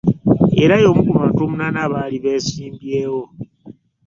Era y'omu ku bantu omunaana abaali beesimbyewo